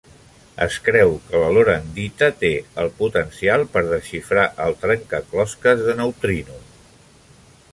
Es creu que la lorandita té el potencial per desxifrar el "trencaclosques de neutrino".